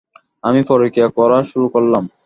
আমি পরকীয়া করা শুরু করলাম।